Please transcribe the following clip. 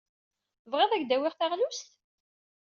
Tebɣid ad ak-d-awyeɣ taɣlust?